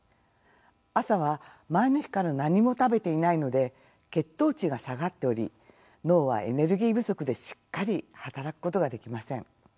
朝は前の日から何も食べていないので血糖値が下がっており脳はエネルギー不足でしっかり働くことができません。